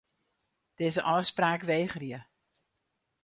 Dizze ôfspraak wegerje.